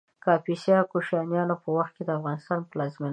کاپیسا د کوشانیانو په وخت کې د افغانستان پلازمېنه وه